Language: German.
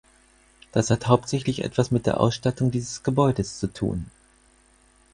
Das hat hauptsächlich etwas mit der Ausstattung dieses Gebäudes zu tun.